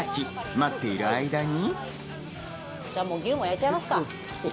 待ってる間に。